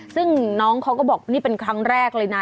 ซึ่งน้องเขาก็บอกนี่เป็นครั้งแรกเลยนะ